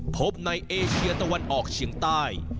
พบในเอเชียตะวันออกเฉียงใต้